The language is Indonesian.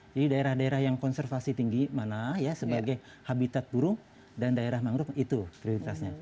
daerah daerah yang konservasi tinggi mana ya sebagai habitat burung dan daerah mangrove itu prioritasnya